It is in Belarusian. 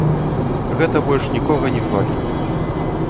Гэта больш нікога не хвалюе.